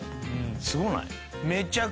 すごない？